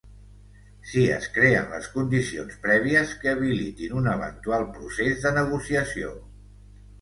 Si es creen les condicions prèvies que habilitin un eventual procés de negociació.